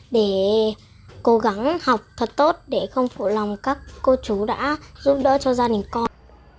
để cố gắng học thật tốt để không phụ lòng các cô chú đã giúp đỡ cho gia đình con